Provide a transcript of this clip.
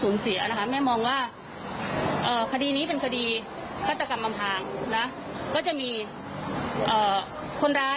อันนี้ขอให้ธนายเป็นคนตอบจะดีกว่า